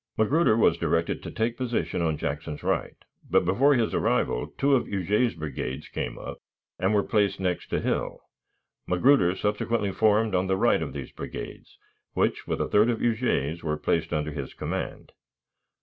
Magruder was directed to take position on Jackson's right, but before his arrival two of Huger's brigades came up and were placed next to Hill. Magruder subsequently formed on the right of these brigades, which, with a third of Huger's, were placed under his command.